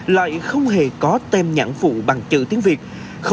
lại không hề có bánh trung thu